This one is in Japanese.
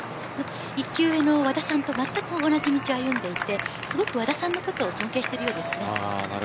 一級上の和田さんとまったく同じ道を歩んでいて和田さんのことを尊敬しているようです。